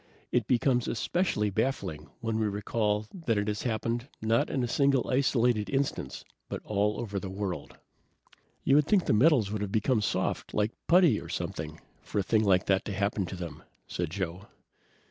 It becomes especially baffling when we recall that it has happened, not in a single isolated instance, but all over the world." "You would think the metals would have become soft, like putty, or something, for a thing like that to happen to them," said Joe.